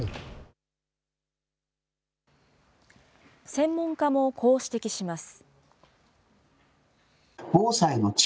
専門家もこう指摘します。